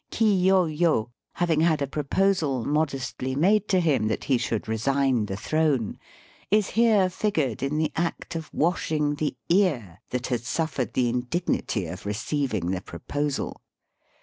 Kiyo yo, having had a proposal modestly made to him that he should resign the throne, is here figured in the act of wash ing the ear that has suffered the indignity of receiving the proposal.